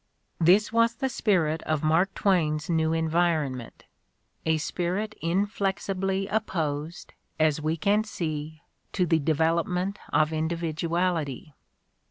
This was the spirit of Mark Twain's new environment, a spirit inflexibly opposed, as we can see, to the develop ment of individuality.